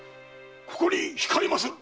ここに控えまする！